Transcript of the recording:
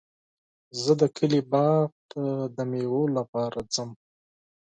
زه د کلي باغ ته د مېوو لپاره ځم.